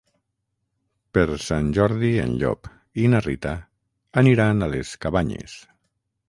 Per Sant Jordi en Llop i na Rita aniran a les Cabanyes.